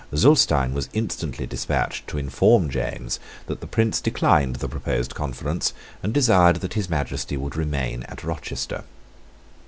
Zulestein was instantly despatched to inform James that the Prince declined the proposed conference, and desired that His Majesty would remain at Rochester.